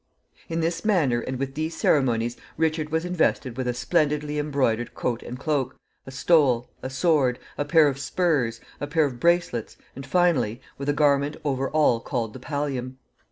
] In this manner and with these ceremonies Richard was invested with a splendidly embroidered coat and cloak, a stole, a sword, a pair of spurs, a pair of bracelets, and, finally, with a garment over all called the pallium.